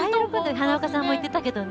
花岡さんも言ってたけど。